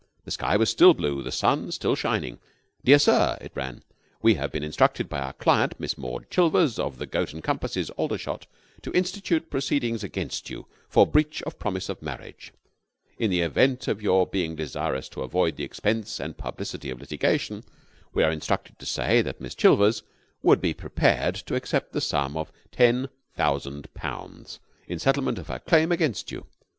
The sky was still blue, the sun still shining. "Dear Sir," (it ran). "We have been instructed by our client, Miss Maud Chilvers, of the Goat and Compasses, Aldershot, to institute proceedings against you for Breach of Promise of Marriage. In the event of your being desirous to avoid the expense and publicity of litigation, we are instructed to say that Miss Chilvers would be prepared to accept the sum of ten thousand pounds in settlement of her claim against you.